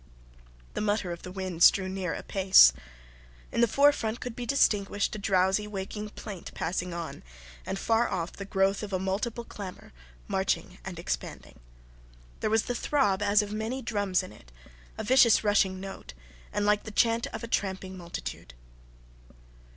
The mutter of the winds drew near apace. In the forefront could be distinguished a drowsy waking plaint passing on, and far off the growth of a multiple clamour, marching and expanding. There was the throb as of many drums in it, a vicious rushing note, and like the chant of a tramping multitude.